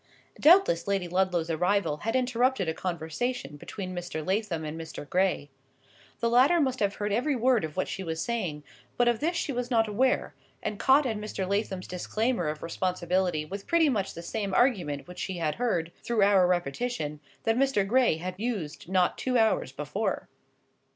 Doubtless Lady Ludlow's arrival had interrupted a conversation between Mr. Lathom and Mr. Gray. The latter must have heard every word of what she was saying; but of this she was not aware, and caught at Mr. Lathom's disclaimer of responsibility with pretty much the same argument which she had heard (through our repetition) that Mr. Gray had used not two hours before.